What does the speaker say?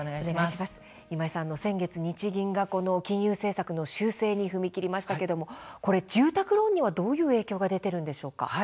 今井さん、先月日銀が金融政策の修正に踏み切りましたけれども住宅ローンにはどういう影響が出ているんでしょうか。